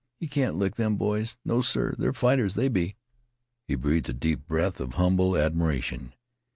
Yeh can't lick them boys. No, sir! They're fighters, they be." He breathed a deep breath of humble admiration.